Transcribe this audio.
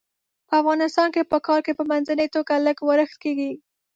په افغانستان کې په کال کې په منځنۍ توګه لږ ورښت کیږي.